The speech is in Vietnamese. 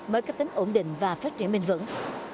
mới kết tính ổn định và phát triển bình vững